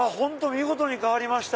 見事に変わりました。